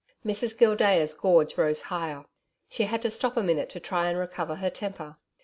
Mrs Gildea's gorge rose higher. She had to stop a minute to try and recover her temper.